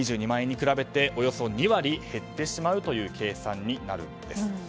２２万円に比べておよそ２割減ってしまうという計算になるんです。